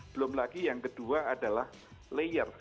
belum lagi yang kedua adalah layer